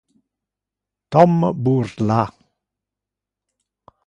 Tom burla.